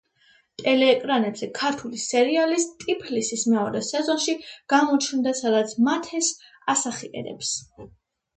ტელეეკრანებზე ქართული სერიალის, „ტიფლისის“ მეორე სეზონში გამოჩნდა, სადაც მათეს ასახიერებს.